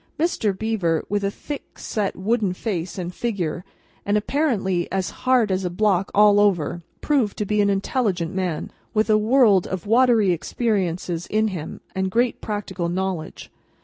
Mr. Beaver, with a thick set wooden face and figure, and apparently as hard as a block all over, proved to be an intelligent man, with a world of watery experiences in him, and great practical knowledge.